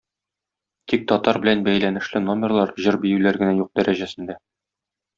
Тик татар белән бәйләнешле номерлар, җыр-биюләр генә юк дәрәҗәсендә.